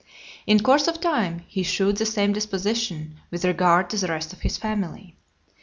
In course of time, he shewed the same disposition with regard to the rest of his family.